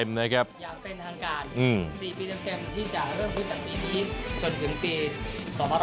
อยากเป็นทางการ๔ปีเต็มที่จะเริ่มพื้นจากปีนี้